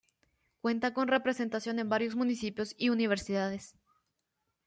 Cuenta con representación en varios municipios y universidades.